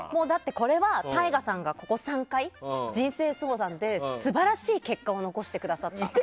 これはＴＡＩＧＡさんがここ３回、人生相談で素晴らしい結果を残してくださった。